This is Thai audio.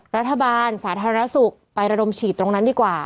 รัฐบาลสาธารณสุขไประดมฉีดตรงนั้นดีกว่า